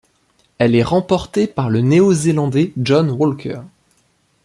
Elle est remportée par le Néo-zélandais John Walker.